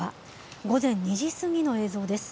午前２時過ぎの映像です。